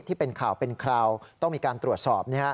ที่เป็นข่าวเป็นคราวต้องมีการตรวจสอบ